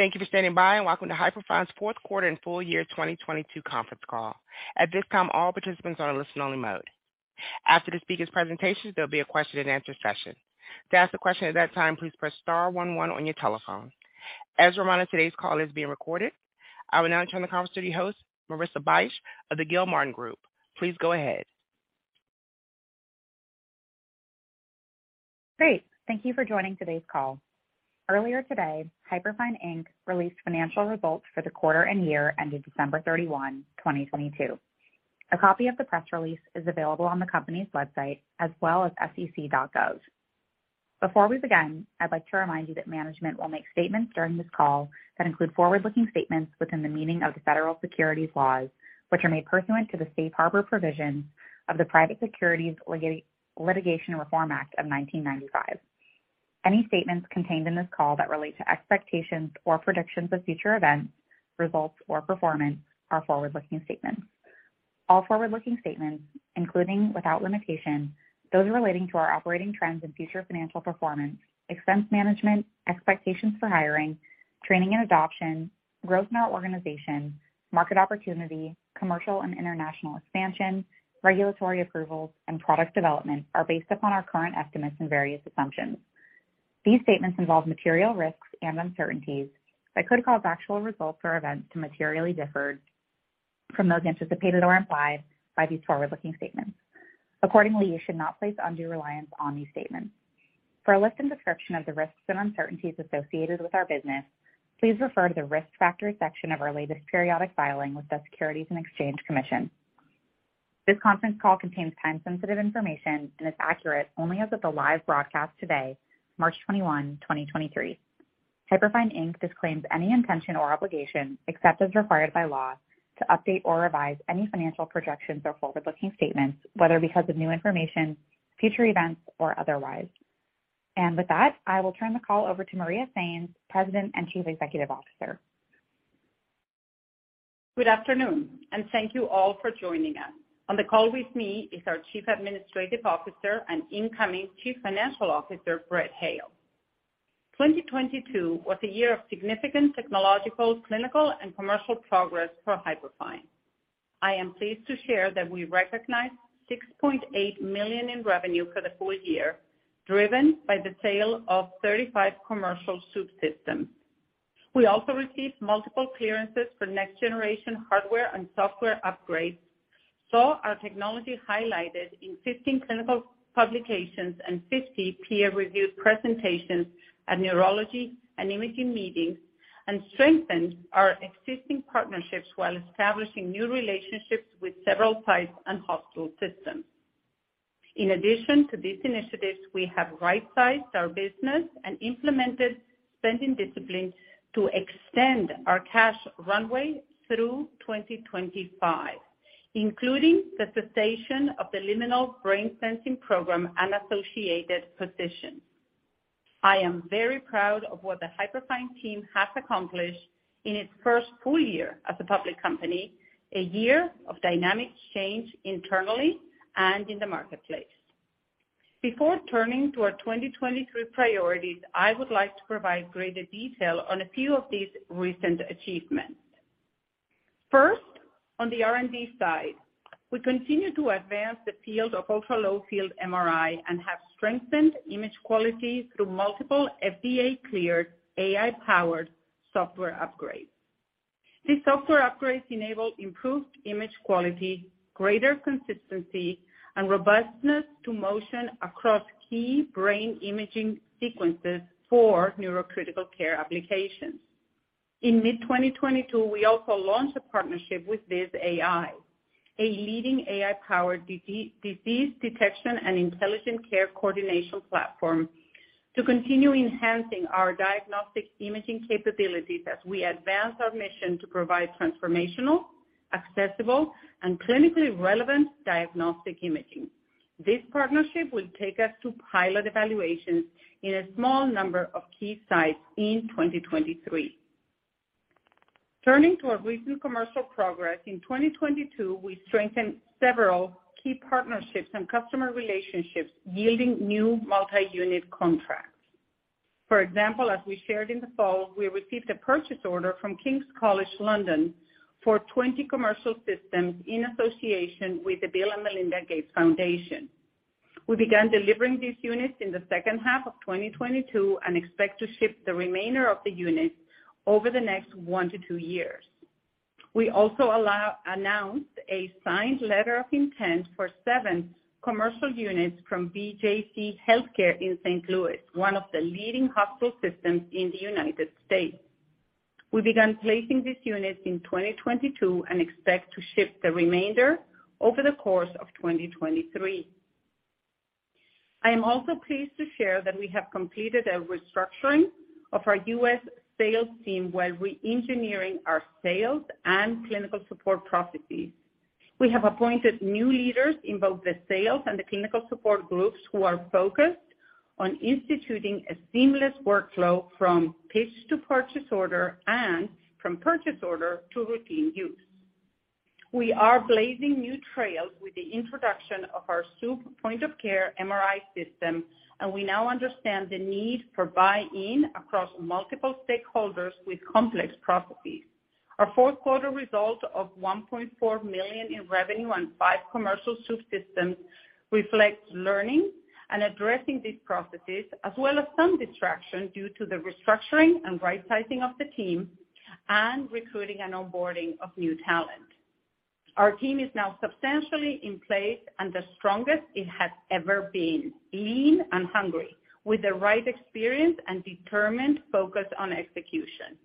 Thank you for standing by, and welcome to Hyperfine's fourth quarter and full year 2022 conference call. At this time, all participants are in listen only mode. After the speaker's presentation, there'll be a question and answer session. To ask a question at that time, please press star 1 1 on your telephone. As a reminder, today's call is being recorded. I will now turn the conference to your host, Marissa Bych of the Gilmartin Group. Please go ahead. Great. Thank you for joining today's call. Earlier today, Hyperfine, Inc. released financial results for the quarter and year ended December 31, 2022. A copy of the press release is available on the company's website as well as sec.gov. Before we begin, I'd like to remind you that management will make statements during this call that include forward-looking statements within the meaning of the Federal Securities laws, which are made pursuant to the Safe Harbor provisions of the Private Securities Litigation Reform Act of 1995. Any statements contained in this call that relate to expectations or predictions of future events, results, or performance are forward-looking statements. All forward-looking statements, including without limitation, those relating to our operating trends and future financial performance, expense management, expectations for hiring, training and adoption, growth in our organization, market opportunity, commercial and international expansion, regulatory approvals, and product development, are based upon our current estimates and various assumptions. These statements involve material risks and uncertainties that could cause actual results or events to materially differ from those anticipated or implied by these forward-looking statements. Accordingly, you should not place undue reliance on these statements. For a list and description of the risks and uncertainties associated with our business, please refer to the Risk Factors section of our latest periodic filing with the Securities and Exchange Commission. This conference call contains time-sensitive information and is accurate only as of the live broadcast today, March 21, 2023. Hyperfine Inc. disclaims any intention or obligation, except as required by law, to update or revise any financial projections or forward-looking statements, whether because of new information, future events, or otherwise. With that, I will turn the call over to Maria Sainz, President and Chief Executive Officer. Good afternoon, thank you all for joining us. On the call with me is our Chief Administrative Officer and incoming Chief Financial Officer, Brett Hale. 2022 was a year of significant technological, clinical, and commercial progress for Hyperfine. I am pleased to share that we recognized $6.8 million in revenue for the full year, driven by the sale of 35 commercial SWOOP systems. We also received multiple clearances for next generation hardware and software upgrades. Saw our technology highlighted in 15 clinical publications and 50 peer-reviewed presentations at neurology and imaging meetings, and strengthened our existing partnerships while establishing new relationships with several sites and hospital systems. In addition to these initiatives, we have right-sized our business and implemented spending disciplines to extend our cash runway through 2025, including the cessation of the Liminal brain sensing program and associated positions. I am very proud of what the Hyperfine team has accomplished in its first full year as a public company, a year of dynamic change internally and in the marketplace. Before turning to our 2023 priorities, I would like to provide greater detail on a few of these recent achievements. First, on the R&D side, we continue to advance the field of ultra-low-field MRI and have strengthened image quality through multiple FDA-cleared AI-powered software upgrades. These software upgrades enable improved image quality, greater consistency, and robustness to motion across key brain imaging sequences for neurocritical care applications. In mid-2022, we also launched a partnership with Viz.ai, a leading AI-powered disease detection and intelligent care coordination platform, to continue enhancing our diagnostic imaging capabilities as we advance our mission to provide transformational, accessible, and clinically relevant diagnostic imaging. This partnership will take us to pilot evaluations in a small number of key sites in 2023. Turning to our recent commercial progress, in 2022 we strengthened several key partnerships and customer relationships, yielding new multi-unit contracts. For example, as we shared in the fall, we received a purchase order from King's College London for 20 commercial systems in association with the Bill & Melinda Gates Foundation. We began delivering these units in the second half of 2022 and expect to ship the remainder of the units over the next one to two years. We also announced a signed letter of intent for 7 commercial units from BJC HealthCare in St. Louis, one of the leading hospital systems in the United States. We began placing these units in 2022 and expect to ship the remainder over the course of 2023. I am also pleased to share that we have completed a restructuring of our U.S. sales team while re-engineering our sales and clinical support processes. We have appointed new leaders in both the sales and the clinical support groups who are focused on instituting a seamless workflow from pitch to purchase order and from purchase order to routine use. We are blazing new trails with the introduction of our SWOOP point-of-care MRI system. We now understand the need for buy-in across multiple stakeholders with complex processes. Our fourth quarter result of $1.4 million in revenue on five commercial SWOOP systems reflects learning and addressing these processes, as well as some distraction due to the restructuring and rightsizing of the team and recruiting and onboarding of new talent. Our team is now substantially in place and the strongest it has ever been, lean and hungry, with the right experience and determined focus on execution.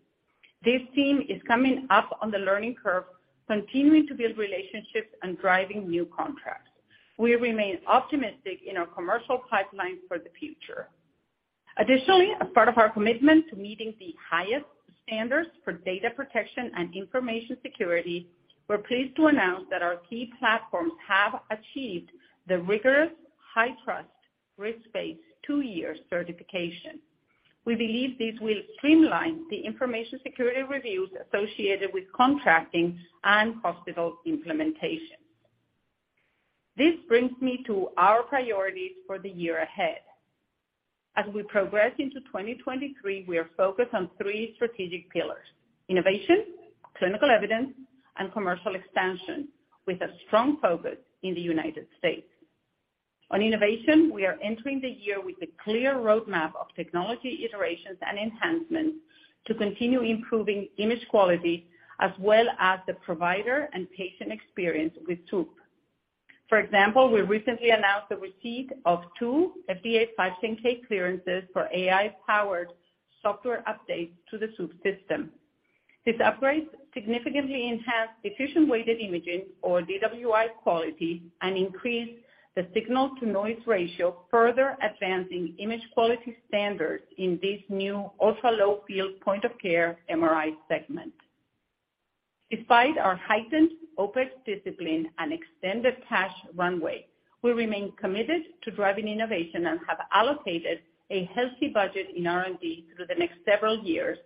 This team is coming up on the learning curve, continuing to build relationships and driving new contracts. We remain optimistic in our commercial pipeline for the future. Additionally, as part of our commitment to meeting the highest standards for data protection and information security, we're pleased to announce that our key platforms have achieved the rigorous HITRUST risk-based two-year certification. We believe this will streamline the information security reviews associated with contracting and hospital implementation. This brings me to our priorities for the year ahead. As we progress into 2023, we are focused on three strategic pillars: innovation, clinical evidence, and commercial expansion, with a strong focus in the United States. On innovation, we are entering the year with a clear roadmap of technology iterations and enhancements to continue improving image quality, as well as the provider and patient experience with SWOOP. For example, we recently announced the receipt of 2 FDA 510(k) clearances for AI-powered software updates to the SWOOP system. These upgrades significantly enhance diffusion-weighted imaging or DWI quality and increase the signal-to-noise ratio, further advancing image quality standards in this new ultra-low-field point-of-care MRI segment. Despite our heightened OpEx discipline and extended cash runway, we remain committed to driving innovation and have allocated a healthy budget in R&D through the next several years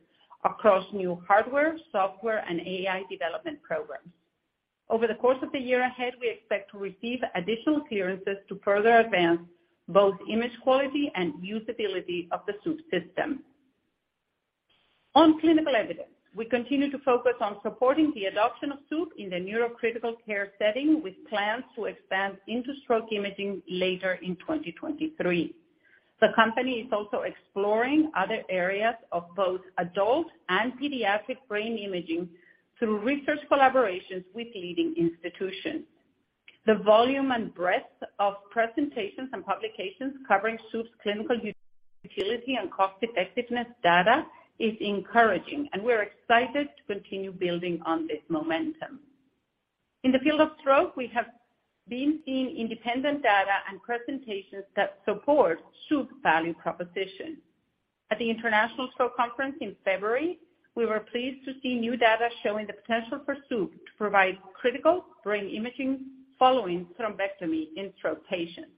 across new hardware, software, and AI development programs. Over the course of the year ahead, we expect to receive additional clearances to further advance both image quality and usability of the SWOOP system. On clinical evidence, we continue to focus on supporting the adoption of SWOOP in the neurocritical care setting, with plans to expand into stroke imaging later in 2023. The company is also exploring other areas of both adult and pediatric brain imaging through research collaborations with leading institutions. The volume and breadth of presentations and publications covering SWOOP's clinical utility and cost-effectiveness data is encouraging. We're excited to continue building on this momentum. In the field of stroke, we have been seeing independent data and presentations that support SWOOP's value proposition. At the International Stroke Conference in February, we were pleased to see new data showing the potential for SWOOP to provide critical brain imaging following thrombectomy in stroke patients.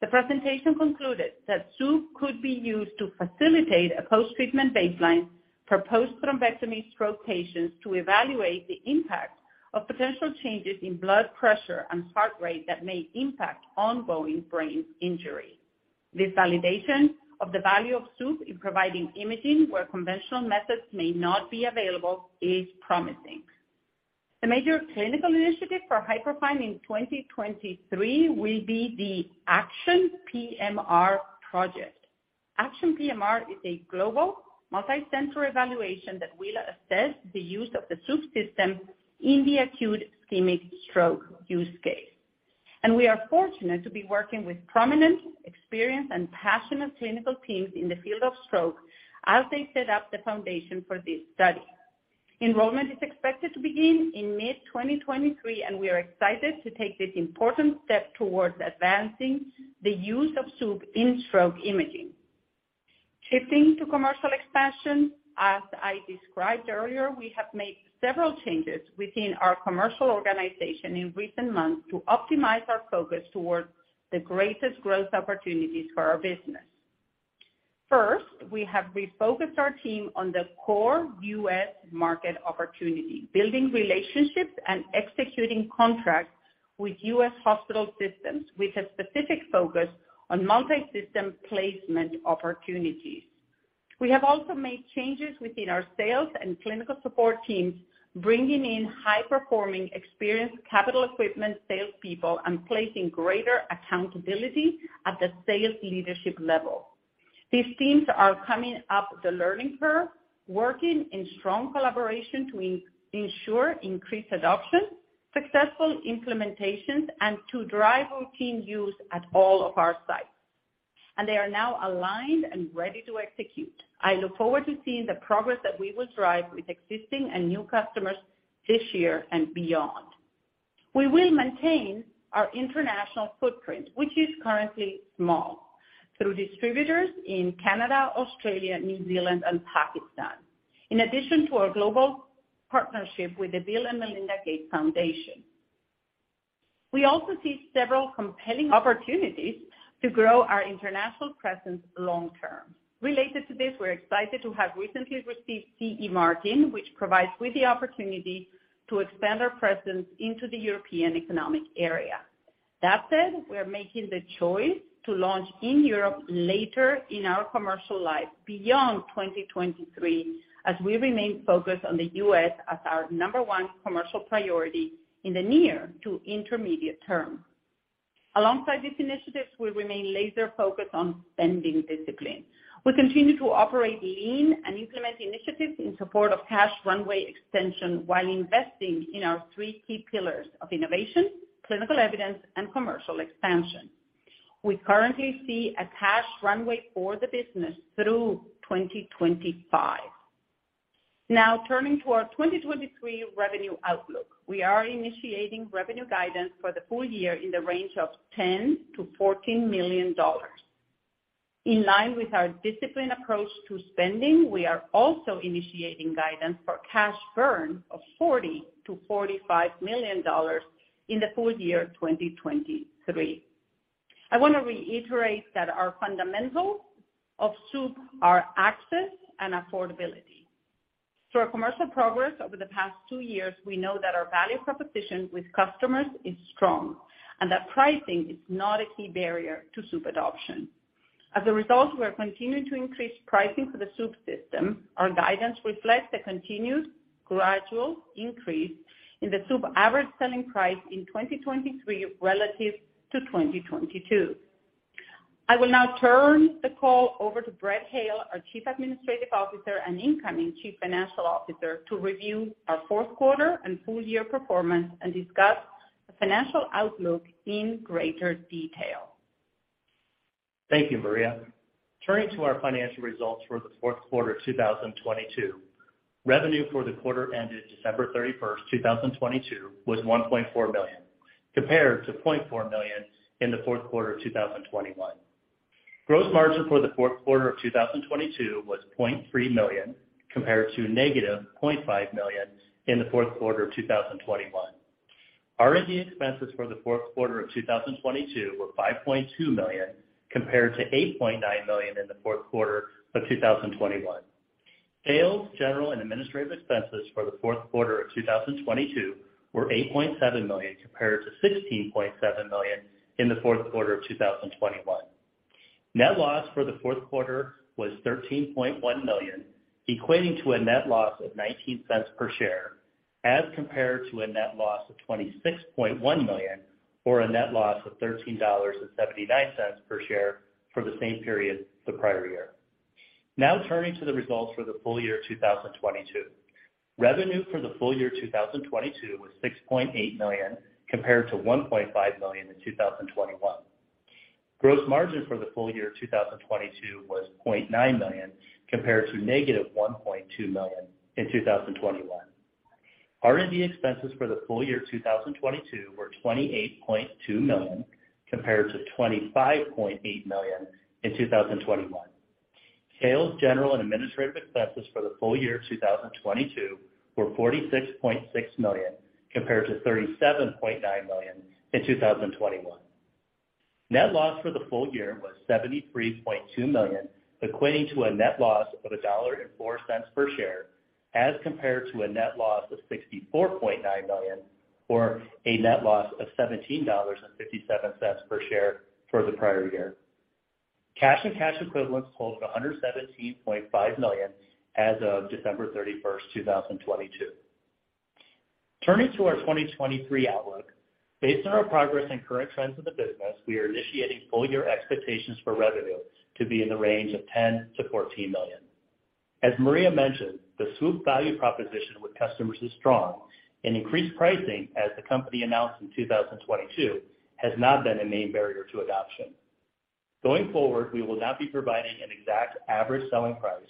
The presentation concluded that SWOOP could be used to facilitate a post-treatment baseline for post-thrombectomy stroke patients to evaluate the impact of potential changes in blood pressure and heart rate that may impact ongoing brain injury. This validation of the value of SWOOP in providing imaging where conventional methods may not be available is promising. The major clinical initiative for Hyperfine in 2023 will be the ACTION PMR project. ACTION PMR is a global multi-center evaluation that will assess the use of the SWOOP system in the acute ischemic stroke use case. We are fortunate to be working with prominent, experienced, and passionate clinical teams in the field of stroke as they set up the foundation for this study. Enrollment is expected to begin in mid-2023, and we are excited to take this important step towards advancing the use of SWOOP in stroke imaging. Shifting to commercial expansion, as I described earlier, we have made several changes within our commercial organization in recent months to optimize our focus towards the greatest growth opportunities for our business. First, we have refocused our team on the core U.S. market opportunity, building relationships and executing contracts with U.S. hospital systems, with a specific focus on multi-system placement opportunities. We have also made changes within our sales and clinical support teams, bringing in high-performing experienced capital equipment salespeople and placing greater accountability at the sales leadership level. These teams are coming up the learning curve, working in strong collaboration to ensure increased adoption, successful implementations, and to drive routine use at all of our sites. They are now aligned and ready to execute. I look forward to seeing the progress that we will drive with existing and new customers this year and beyond. We will maintain our international footprint, which is currently small, through distributors in Canada, Australia, New Zealand, and Pakistan. In addition to our global partnership with the Bill & Melinda Gates Foundation. We also see several compelling opportunities to grow our international presence long term. Related to this, we're excited to have recently received CE marking, which provides with the opportunity to expand our presence into the European Economic Area. That said, we are making the choice to launch in Europe later in our commercial life beyond 2023, as we remain focused on the U.S. as our number 1 commercial priority in the near to intermediate term. Alongside these initiatives, we remain laser focused on spending discipline. We continue to operate lean and implement initiatives in support of cash runway extension while investing in our 3 key pillars of innovation, clinical evidence, and commercial expansion. We currently see a cash runway for the business through 2025. Now turning to our 2023 revenue outlook. We are initiating revenue guidance for the full year in the range of $10 million-$14 million. In line with our disciplined approach to spending, we are also initiating guidance for cash burn of $40 million-$45 million in the full year 2023. I want to reiterate that our fundamental of SWOOP are access and affordability. Through our commercial progress over the past two years, we know that our value proposition with customers is strong and that pricing is not a key barrier to SWOOP adoption. As a result, we are continuing to increase pricing for the SWOOP system. Our guidance reflects the continued gradual increase in the SWOOP average selling price in 2023 relative to 2022. I will now turn the call over to Brett Hale, our Chief Administrative Officer and incoming Chief Financial Officer, to review our fourth quarter and full year performance and discuss the financial outlook in greater detail. Thank you, Maria. Turning to our financial results for the fourth quarter of 2022. Revenue for the quarter ended December 31st, 2022 was $1.4 million, compared to $0.4 million in the fourth quarter of 2021. Gross margin for the fourth quarter of 2022 was $0.3 million, compared to negative $0.5 million in the fourth quarter of 2021. R&D expenses for the fourth quarter of 2022 were $5.2 million, compared to $8.9 million in the fourth quarter of 2021. Sales, General and Administrative expenses for the fourth quarter of 2022 were $8.7 million compared to $16.7 million in the fourth quarter of 2021. Net loss for the fourth quarter was $13.1 million, equating to a net loss of $0.19 per share, as compared to a net loss of $26.1 million or a net loss of $13.79 per share for the same period the prior year. Now turning to the results for the full year 2022. Revenue for the full year 2022 was $6.8 million, compared to $1.5 million in 2021. Gross margin for the full year 2022 was $0.9 million, compared to negative $1.2 million in 2021. R&D expenses for the full year 2022 were $28.2 million, compared to $25.8 million in 2021. Sales, general and administrative expenses for the full year 2022 were $46.6 million, compared to $37.9 million in 2021. Net loss for the full year was $73.2 million, equating to a net loss of $1.04 per share, as compared to a net loss of $64.9 million or a net loss of $17.57 per share for the prior year. Cash and cash equivalents totaled $117.5 million as of December 31, 2022. Turning to our 2023 outlook. Based on our progress and current trends of the business, we are initiating full year expectations for revenue to be in the range of $10 million-$14 million. As Maria mentioned, the SWOOP value proposition with customers is strong and increased pricing, as the company announced in 2022, has not been a main barrier to adoption. Going forward, we will not be providing an exact average selling price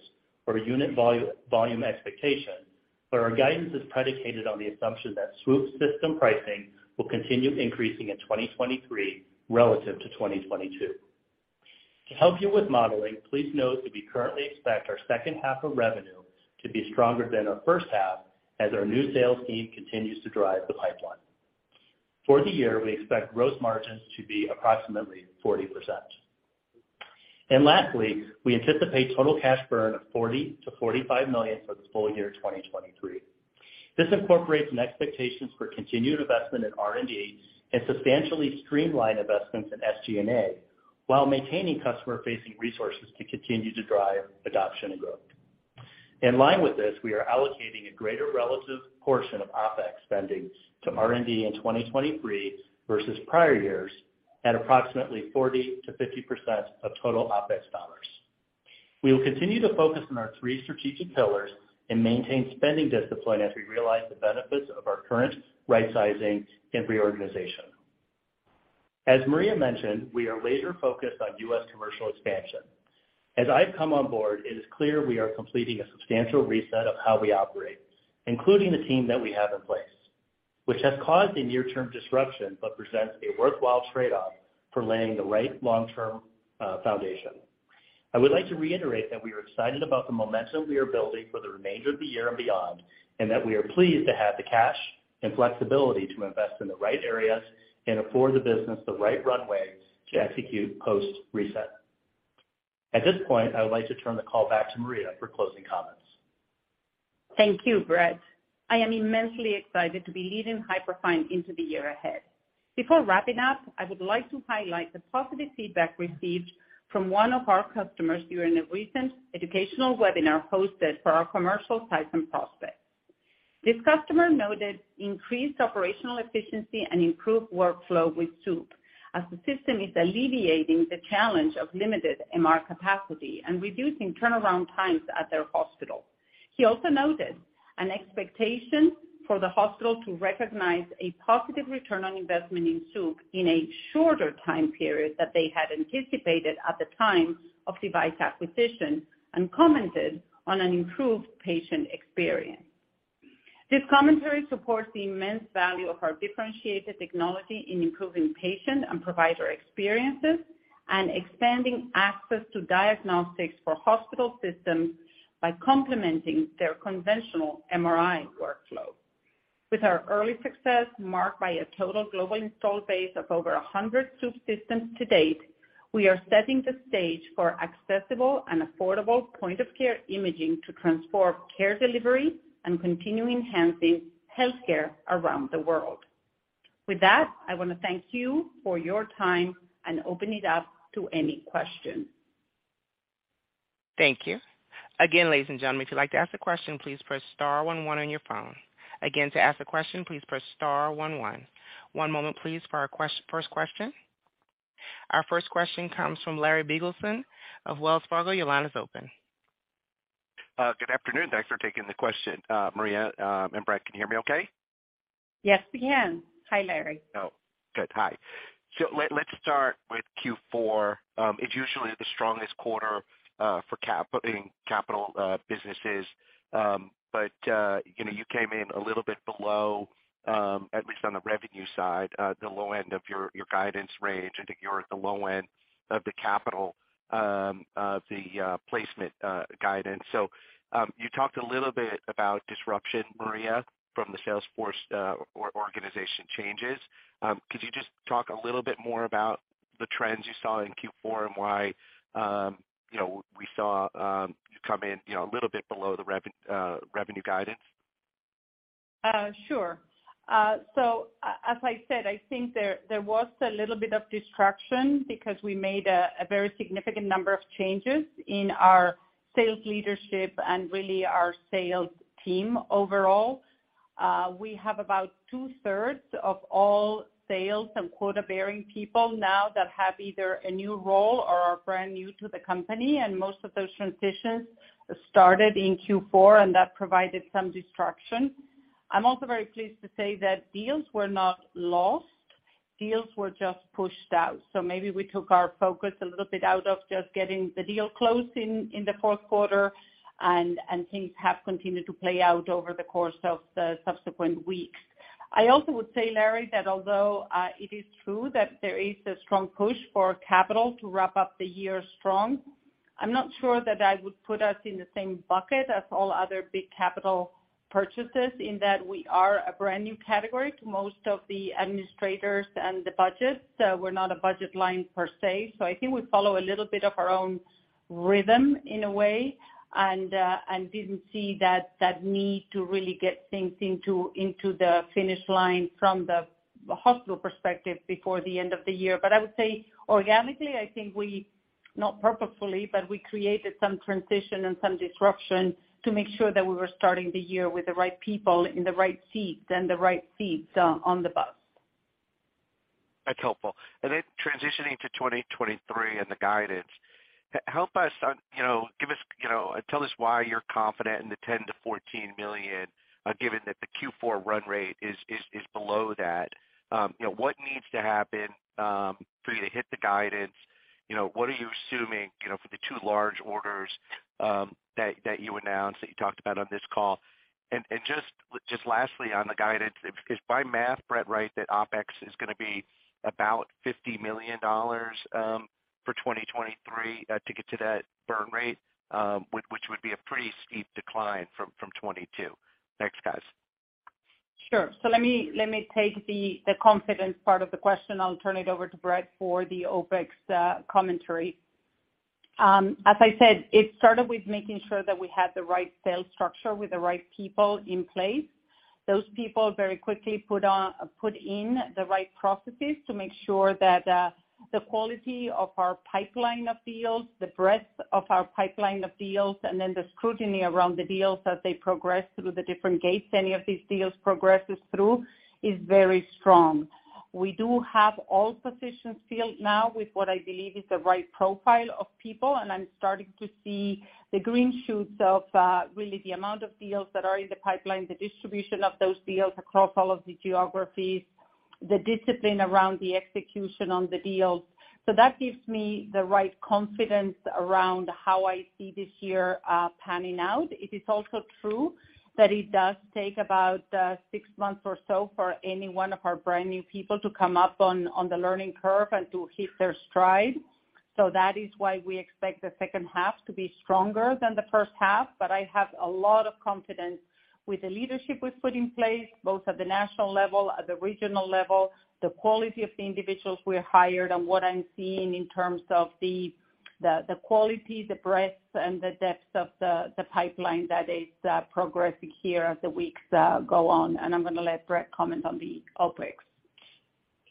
or unit volume expectation, but our guidance is predicated on the assumption that SWOOP's system pricing will continue increasing in 2023 relative to 2022. To help you with modeling, please note that we currently expect our second half of revenue to be stronger than our first half as our new sales team continues to drive the pipeline. For the year, we expect gross margins to be approximately 40%. Lastly, we anticipate total cash burn of $40 million-$45 million for the full year 2023. This incorporates an expectations for continued investment in R&D and substantially streamlined investments in SG&A, while maintaining customer-facing resources to continue to drive adoption and growth. In line with this, we are allocating a greater relative portion of OpEx spending to R&D in 2023 versus prior years at approximately 40%-50% of total OpEx dollars. We will continue to focus on our three strategic pillars and maintain spending discipline as we realize the benefits of our current rightsizing and reorganization. As Maria mentioned, we are laser focused on U.S. commercial expansion. As I've come on board, it is clear we are completing a substantial reset of how we operate, including the team that we have in place, which has caused a near-term disruption but presents a worthwhile trade-off for laying the right long-term foundation. I would like to reiterate that we are excited about the momentum we are building for the remainder of the year and beyond, and that we are pleased to have the cash and flexibility to invest in the right areas and afford the business the right runways to execute post-reset. At this point, I would like to turn the call back to Maria for closing comments. Thank you, Brett. I am immensely excited to be leading Hyperfine into the year ahead. Before wrapping up, I would like to highlight the positive feedback received from one of our customers during a recent educational webinar hosted for our commercial site and prospects. This customer noted increased operational efficiency and improved workflow with SWOOP as the system is alleviating the challenge of limited MR capacity and reducing turnaround times at their hospital. He also noted an expectation for the hospital to recognize a positive return on investment in SWOOP in a shorter time period that they had anticipated at the time of device acquisition, and commented on an improved patient experience. This commentary supports the immense value of our differentiated technology in improving patient and provider experiences and expanding access to diagnostics for hospital systems by complementing their conventional MRI workflow. With our early success marked by a total global install base of over 100 SWOOP systems to date, we are setting the stage for accessible and affordable point of care imaging to transform care delivery and continue enhancing healthcare around the world. With that, I want to thank you for your time and open it up to any questions. Thank you. Again, ladies and gentlemen, if you'd like to ask a question, please press star one one on your phone. Again, to ask a question, please press star one one. One moment please for our first question. Our first question comes from Larry Biegelsen of Wells Fargo. Your line is open. good afternoon. Thanks for taking the question. Maria Sainz, and Brett Hale, can you hear me okay? Yes, we can. Hi, Larry. Oh, good. Hi. Let's start with Q4. It's usually the strongest quarter for putting capital businesses. You know, you came in a little bit below, at least on the revenue side, the low end of your guidance range, I think you're at the low end of the capital, the placement guidance. You talked a little bit about disruption, Maria, from the sales force organization changes. Could you just talk a little bit more about the trends you saw in Q4 and why, you know, we saw, you come in, you know, a little bit below the revenue guidance? Sure. As I said, I think there was a little bit of disruption because we made a very significant number of changes in our sales leadership and really our sales team overall. We have about two-thirds of all sales and quota-bearing people now that have either a new role or are brand new to the company. Most of those transitions started in Q4. That provided some disruption. I'm also very pleased to say that deals were not lost, deals were just pushed out. Maybe we took our focus a little bit out of just getting the deal closed in the fourth quarter and things have continued to play out over the course of the subsequent weeks. I also would say, Larry, that although, it is true that there is a strong push for capital to wrap up the year strong, I'm not sure that I would put us in the same bucket as all other big capital purchases in that we are a brand-new category to most of the administrators and the budgets. We're not a budget line per se. I think we follow a little bit of our own rhythm in a way and didn't see that need to really get things into the finish line from the hospital perspective before the end of the year. I would say organically, I think we, not purposefully, but we created some transition and some disruption to make sure that we were starting the year with the right people in the right seats on the bus. That's helpful. Transitioning to 2023 and the guidance. Help us on, you know, give us, you know, tell us why you're confident in the $10 million-$14 million given that the Q4 run rate is below that. You know, what needs to happen for you to hit the guidance? You know, what are you assuming, you know, for the 2 large orders that you announced, that you talked about on this call? Just lastly on the guidance, is my math, Brett, right, that OpEx is gonna be about $50 million for 2023 to get to that burn rate? Which would be a pretty steep decline from 2022. Thanks, guys. Sure. let me take the confidence part of the question. I'll turn it over to Brett for the OpEx commentary. As I said, it started with making sure that we had the right sales structure with the right people in place. Those people very quickly put in the right processes to make sure that the quality of our pipeline of deals, the breadth of our pipeline of deals, and then the scrutiny around the deals as they progress through the different gates any of these deals progresses through is very strong. We do have all positions filled now with what I believe is the right profile of people, and I'm starting to see the green shoots of really the amount of deals that are in the pipeline, the distribution of those deals across all of the geographies, the discipline around the execution on the deals. That gives me the right confidence around how I see this year panning out. It is also true that it does take about six months or so for any one of our brand new people to come up on the learning curve and to hit their stride. That is why we expect the second half to be stronger than the first half. I have a lot of confidence with the leadership we've put in place, both at the national level, at the regional level, the quality of the individuals we hired, and what I'm seeing in terms of the quality, the breadth and the depth of the pipeline that is progressing here as the weeks go on. I'm gonna let Brett comment on the OpEx.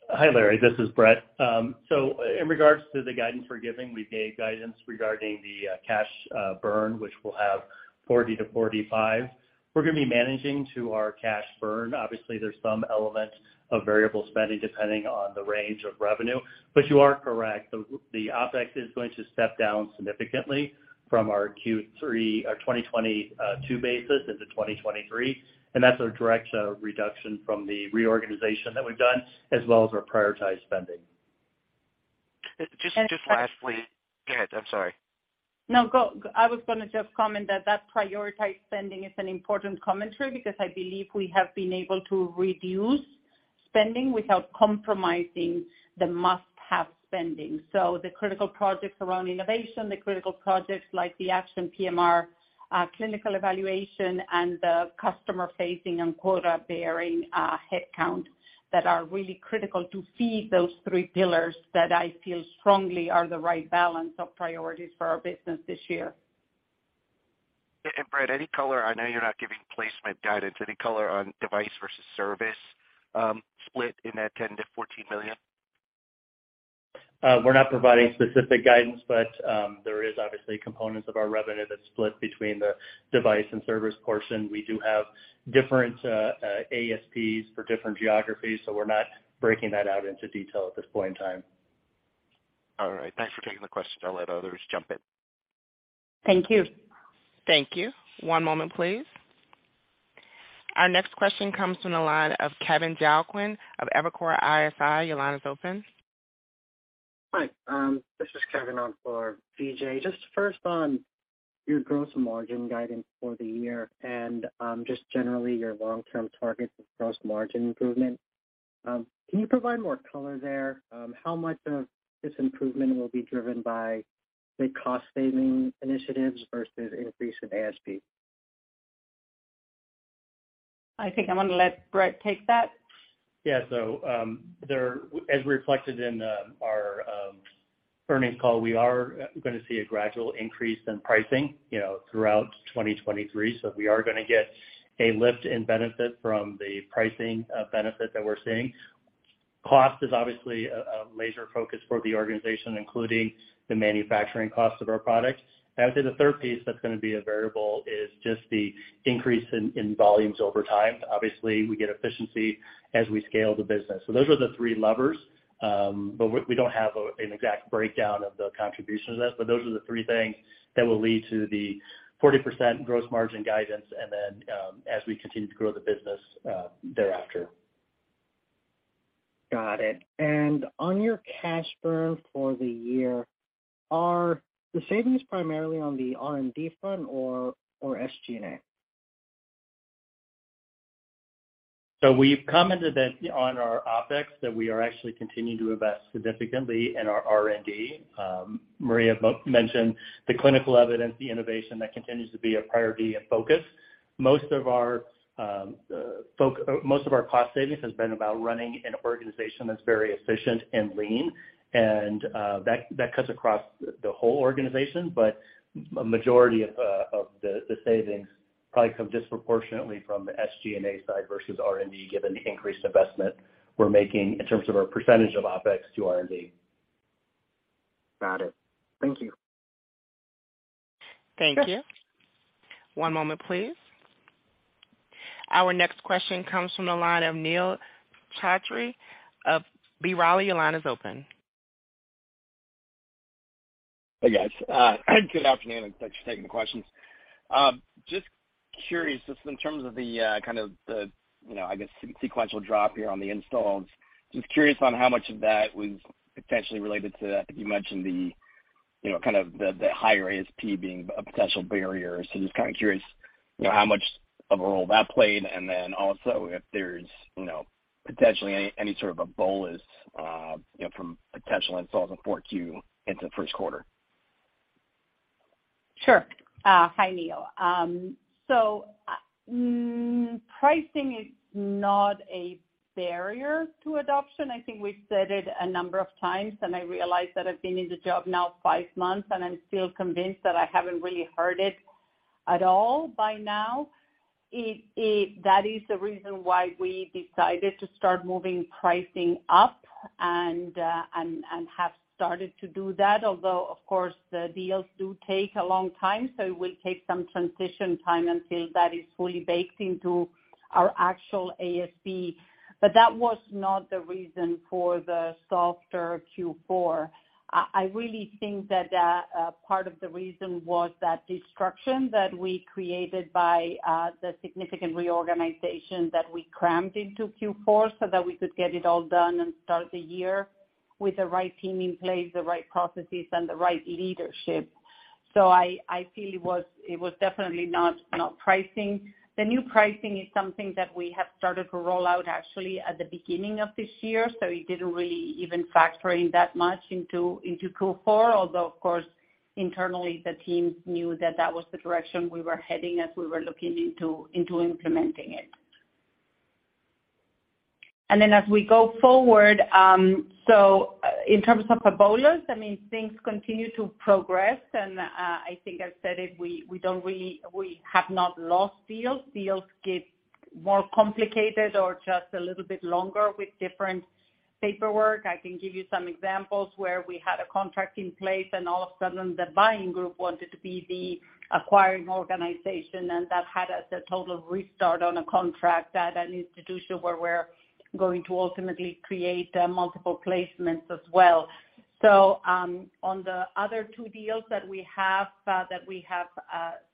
Hi, Larry, this is Brett. In regards to the guidance we're giving, we gave guidance regarding the cash burn, which we'll have $40 million-$45 million. We're going to be managing to our cash burn. Obviously, there's some element of variable spending depending on the range of revenue. You are correct, the OpEx is going to step down significantly from our Q3 or 2022 basis into 2023, and that's a direct reduction from the reorganization that we've done as well as our prioritized spending. Just lastly- And, uh- Go ahead. I'm sorry. No, go. I was gonna just comment that that prioritized spending is an important commentary because I believe we have been able to reduce spending without compromising the must-have spending. The critical projects around innovation, the critical projects like the ACTION PMR clinical evaluation and the customer-facing and quota-bearing headcount that are really critical to feed those three pillars that I feel strongly are the right balance of priorities for our business this year. Brett, any color... I know you're not giving placement guidance. Any color on device versus service, split in that $10 million-$14 million? We're not providing specific guidance, but there is obviously components of our revenue that's split between the device and service portion. We do have different ASPs for different geographies, so we're not breaking that out into detail at this point in time. All right. Thanks for taking the question. I'll let others jump in. Thank you. Thank you. One moment please. Our next question comes from the line of Kevin Joaquin of Evercore ISI. Your line is open. Hi. This is Kevin on for Vijay. Just first on your gross margin guidance for the year and, just generally your long-term target for gross margin improvement. Can you provide more color there? How much of this improvement will be driven by the cost-saving initiatives versus increase in ASP? I think I'm gonna let Brett take that. Yeah. As reflected in our earnings call, we are gonna see a gradual increase in pricing, you know, throughout 2023. We are gonna get a lift in benefit from the pricing benefit that we're seeing. Cost is obviously a major focus for the organization, including the manufacturing cost of our products. I would say the third piece that's gonna be a variable is just the increase in volumes over time. Obviously, we get efficiency as we scale the business. Those are the three levers. But we don't have an exact breakdown of the contribution to that. Those are the three things that will lead to the 40% gross margin guidance and then, as we continue to grow the business thereafter. Got it. On your cash burn for the year, are the savings primarily on the R&D front or SG&A? We've commented that on our OpEx that we are actually continuing to invest significantly in our R&D. Maria mentioned the clinical evidence, the innovation that continues to be a priority and focus. Most of our cost savings has been about running an organization that's very efficient and lean, and that cuts across the whole organization. A majority of the savings probably come disproportionately from the SG&A side versus R&D, given the increased investment we're making in terms of our % of OpEx to R&D. Got it. Thank you. Thank you. One moment please. Our next question comes from the line of Neil Chatterji of B. Riley. Your line is open. Hey, guys. Good afternoon, and thanks for taking the questions. Just curious just in terms of the kind of the, you know, I guess, sequential drop here on the installs. Just curious on how much of that was potentially related to, I think you mentioned the, you know, kind of the higher ASP being a potential barrier? Just kinda curious, you know, how much of a role that played, and then also if there's, you know, potentially any sort of a bolus from potential installs in 4Q into the first quarter? Sure. Hi, Neil. Pricing is not a barrier to adoption. I think we've said it a number of times, and I realize that I've been in the job now five months, and I'm still convinced that I haven't really heard it at all by now. That is the reason why we decided to start moving pricing up and have started to do that. Of course, the deals do take a long time, so it will take some transition time until that is fully baked into our actual ASP. That was not the reason for the softer Q4. I really think that part of the reason was that disruption that we created by the significant reorganization that we crammed into Q4 so that we could get it all done and start the year with the right team in place, the right processes, and the right leadership. I feel it was definitely not pricing. The new pricing is something that we have started to roll out actually at the beginning of this year, so it didn't really even factor in that much into Q4. Although, of course, internally the teams knew that that was the direction we were heading as we were looking into implementing it. As we go forward, in terms of the bolus, I mean, things continue to progress. I think I've said it, we don't really-- we have not lost deals. Deals get more complicated or just a little bit longer with different paperwork. I can give you some examples where we had a contract in place and all of a sudden the buying group wanted to be the acquiring organization, and that had us a total restart on a contract at an institution where we're going to ultimately create multiple placements as well. On the other two deals that we have, that we have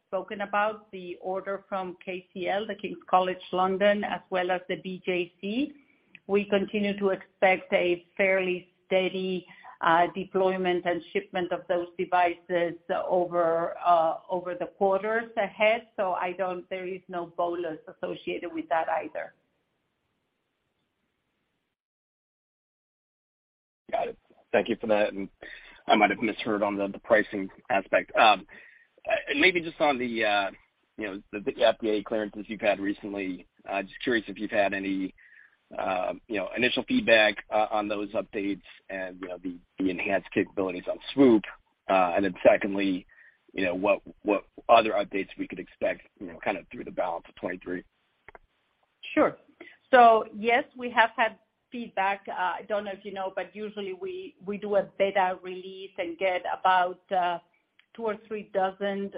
spoken about, the order from KCL, the King's College London, as well as the BJC, we continue to expect a fairly steady deployment and shipment of those devices over the quarters ahead. I don't. There is no bolus associated with that either. Got it. Thank you for that. I might have misheard on the pricing aspect. Maybe just on the, you know, the FDA clearances you've had recently. Just curious if you've had any, you know, initial feedback on those updates and, you know, the enhanced capabilities on Swoop. Secondly, you know, what other updates we could expect, you know, kind of through the balance of 2023. Sure. yes, we have had feedback. I don't know if you know, but usually we do a beta release and get about two or three dozen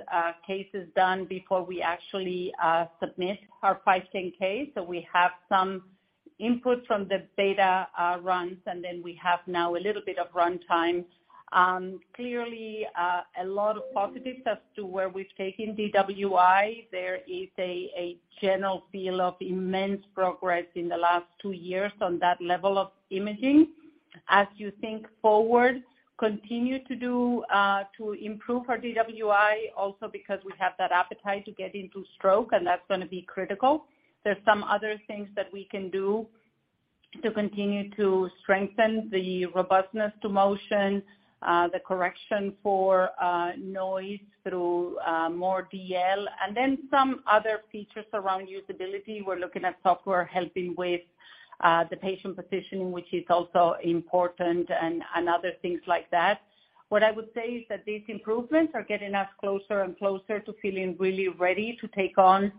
cases done before we actually submit our Five Ten K. We have some input from the beta runs, and then we have now a little bit of runtime. Clearly, a lot of positives as to where we've taken DWI. There is a general feel of immense progress in the last 2 years on that level of imaging. As you think forward, continue to do to improve our DWI also because we have that appetite to get into stroke, and that's gonna be critical. There's some other things that we can do to continue to strengthen the robustness to motion, the correction for noise through more DL, and then some other features around usability. We're looking at software helping with the patient positioning, which is also important, and other things like that. What I would say is that these improvements are getting us closer and closer to feeling really ready to take on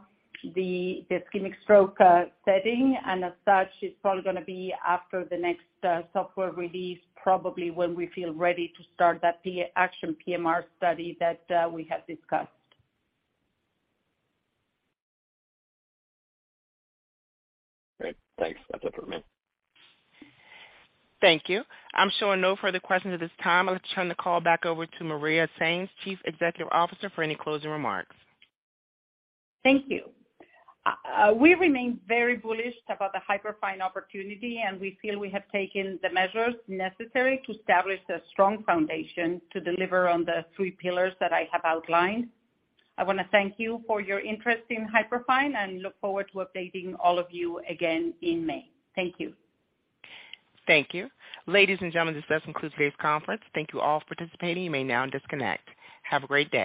the ischemic stroke setting. As such, it's probably gonna be after the next software release, probably when we feel ready to start that ACTION PMR study that we have discussed. Great. Thanks. That's it for me. Thank you. I'm showing no further questions at this time. I'd like to turn the call back over to Maria Sainz, Chief Executive Officer, for any closing remarks. Thank you. We remain very bullish about the Hyperfine opportunity, and we feel we have taken the measures necessary to establish a strong foundation to deliver on the three pillars that I have outlined. I wanna thank you for your interest in Hyperfine, and look forward to updating all of you again in May. Thank you. Thank you. Ladies and gentlemen, this does conclude today's conference. Thank you all for participating. You may now disconnect. Have a great day.